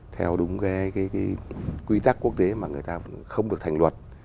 theo đúng cái quy tắc quốc tế mà người ta không được thành luật